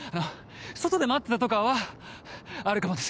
外で待ってたとかはあるかもです。